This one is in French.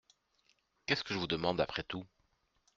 Qu’est-ce que je vous demande après tout ?